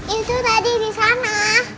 itu tadi disana